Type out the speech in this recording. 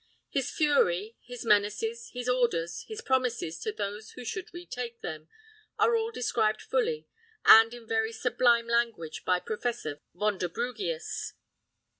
His fury, his menaces, his orders, his promises to those who should retake them, are all described fully, and in very sublime language by Professor Vonderbrugius.